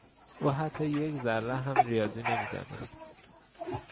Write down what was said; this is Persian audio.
او حتی یک ذره هم ریاضی نمیدانست.